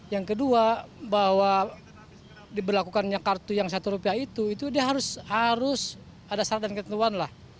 yang kedua bahwa diberlakukannya kartu yang satu rupiah itu itu dia harus ada syarat dan ketentuan lah